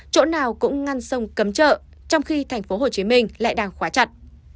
chỗ nào cũng ngăn sông cấm trợ trong khi tp hcm lại đang khóa chặt